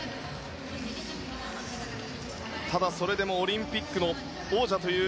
ただ、それでもオリンピックの王者という